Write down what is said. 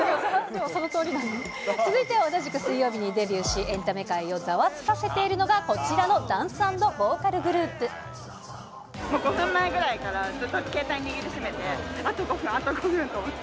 続いては同じく水曜日にデビューし、エンタメ界をざわつかせているのが、こちらのダンス＆ボーカルグ５分前ぐらいから、ずっと携帯握りしめて、あと５分、あと５分と思って。